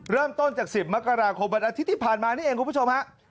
เริ่มต้นจาก๑๐มกราคมวันอาทิตย์ที่ผ่านมานี่เองคุณผู้ชมฮะ